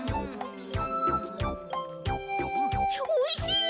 おいしい！